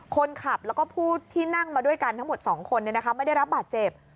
คนขับแล้วก็ผู้ที่นั่งมาด้วยกันทั้งหมด๒คนไม่ได้รับบาดเจ็บ